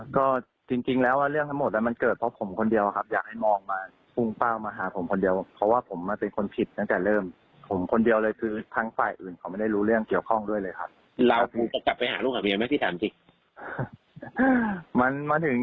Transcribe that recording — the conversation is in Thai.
ก็จริงแล้วว่าเรื่องทั้งหมดมันเกิดเพราะผมคนเดียวครับอยากให้มองมาปรุงป้าวมาหาผมคนเดียวเพราะว่าผมมาเป็นคนผิดครับด้าน